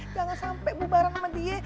jangan sampai bubaran sama dia